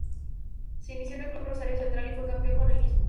Se inició en el club Rosario Central y fue campeón con el mismo.